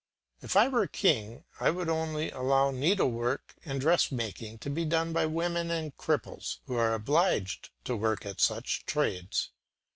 If I were king I would only allow needlework and dressmaking to be done by women and cripples who are obliged to work at such trades.